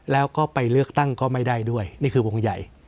แล้วก็ไปเลือกตั้งก็ไม่ได้ด้วยนี่คือวงใหญ่